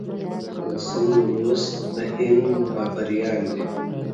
لسم لوست د هند بابریان دي.